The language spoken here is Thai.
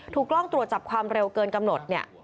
ถูกล้องตัวจับความเร็วเกินกำหนด